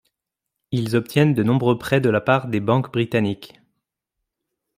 Ils obtiennent de nombreux prêts de la part des banques britanniques.